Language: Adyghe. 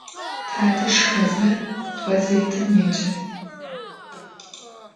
Tate şşxeze ğezêtım yêce.